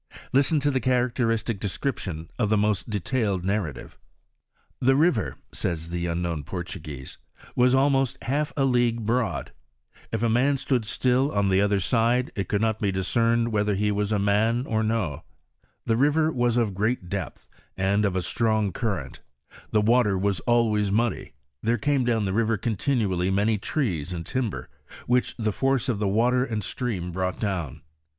Listen to the characteristic description of the most detailed narrative. "The river," says the iinknown Portuguese, "was almost half a league broad ; if a man stood still on the other side, it could not be discerned whether he was a man or no. The * Historical Coll. of Louisiana, vol. ii., p. 101. OF THE MISSISSIPPI BIVEB. XIU river was of great depth, and of a strong current ; the water was always muddy ; there came down the river continually many trees and timber, which the force of the water and stream brought down."